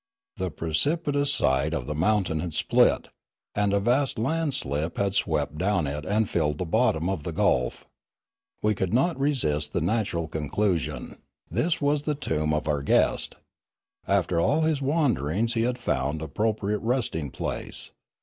The precipitous side of the mountain had split, and a vast landslip had swept down it and filled the bottom of the gulf. We could not resist the natural conclusion; this was the tomb of our guest. After all his wanderings he had found appropriate resting place.